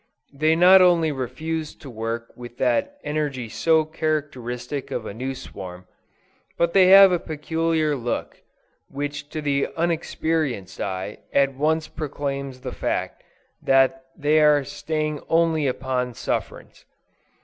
They not only refuse to work with that energy so characteristic of a new swarm, but they have a peculiar look which to the experienced eye at once proclaims the fact that they are staying only upon sufferance.